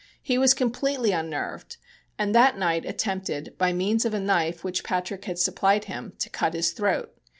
He was completely unnerved and that night attempted, by means of a knife which Patrick had supplied him, to cut his throat.